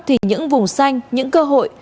thì những vùng xanh những cơ hội